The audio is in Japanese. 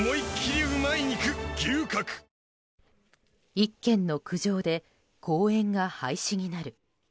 １軒の苦情で公園が廃止になる。